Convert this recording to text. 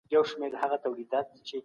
د ونډو بازار پېچلی او ستونزمن دی.